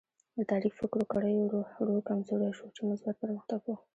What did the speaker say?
د تاریک فکرو کړیو رول کمزوری شو چې مثبت پرمختګ و.